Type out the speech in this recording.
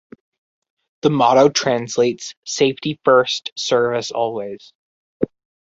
The motto translates "Safety First, Service Always".